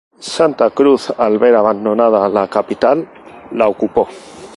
Santa Cruz al ver abandonada la capital, la ocupó.